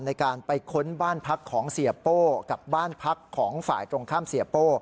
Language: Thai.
ในการไปค้นบ้านพักของเสียโป้กับบ้านพักของฝ่ายตรงข้ามเสียโป้